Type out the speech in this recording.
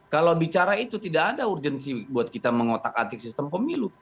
kalau bicara itu tidak ada urgensi buat kita mengotak atik sistem pemilu